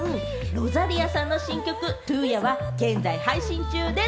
ロザリアの新曲『Ｔｕｙａ』は現在配信中です。